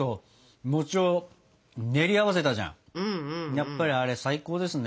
やっぱりあれ最高ですね。